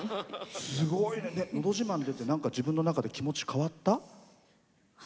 「のど自慢」出て自分の中で気持ち、変わった？